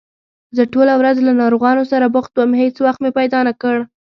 زه ټوله ورځ له ناروغانو سره بوخت وم، هېڅ وخت مې پیدا نکړ